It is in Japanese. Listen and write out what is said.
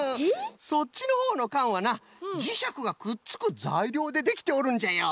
そっちのほうのかんはなじしゃくがくっつくざいりょうでできておるんじゃよ。